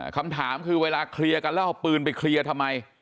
คำถามคือเวลาเคลียร์กันแล้วเอาปืนไปเคลียร์ทำไม